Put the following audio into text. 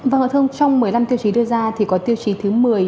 vâng ạ thưa ông trong một mươi năm tiêu chí đưa ra thì có tiêu chí thứ một mươi